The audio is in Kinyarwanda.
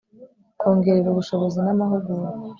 kongerera ubushobozi n amahugurwa